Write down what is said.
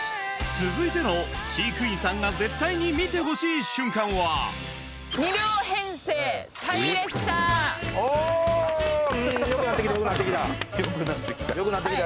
続いての飼育員さんが絶対に見てほしい瞬間はおっよくなってきたよ